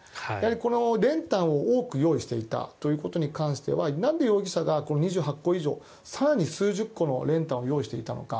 この練炭を多く用意していたということに関してはなんで容疑者が２８個以上更に数十個の練炭を用意していたのか。